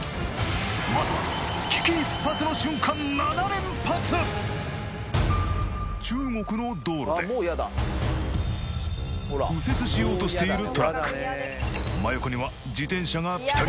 まずは中国の道路で右折しようとしているトラック真横には自転車がピタリ